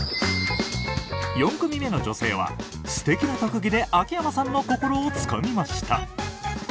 ４組目の女性はすてきな特技で秋山さんの心をつかみました。